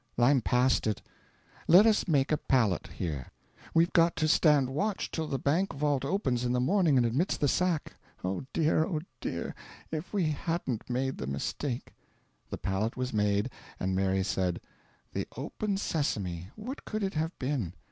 "I'm past it. Let us make a pallet here; we've got to stand watch till the bank vault opens in the morning and admits the sack... Oh dear, oh dear if we hadn't made the mistake!" The pallet was made, and Mary said: "The open sesame what could it have been?